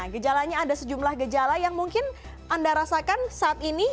gejalanya ada sejumlah gejala yang mungkin anda rasakan saat ini